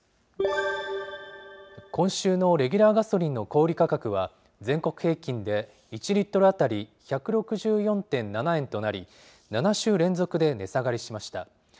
今週のレギュラーガソリンの小売り価格は全国平均で１リットル当たり、１６４．７円となり、７週連続で値下がりしました。